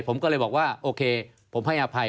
ผมก็เลยบอกว่าโอเคผมให้อภัย